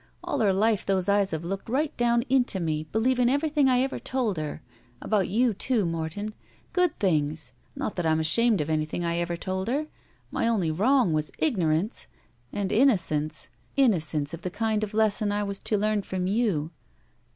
All her life those eyes have looked right down into me, believing every thing I ever told her. About you too, Morton. Good things. Not that I'm ashamed of anything I ever told her. My only wrong was ignorance. And innocence. Innocence of the kind of lesson I was to learn from you."